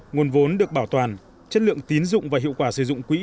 nguồn vốn được bảo toàn chất lượng tín dụng và hiệu quả sử dụng quỹ